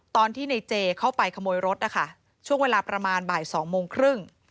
ตอนที่ในเจเข้าไปขโมยรถนะคะช่วงเวลาประมาณบ่าย๒โมงครึ่ง